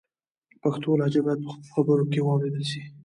پښتو لهجه باید په خبرو کې و اورېدل سي.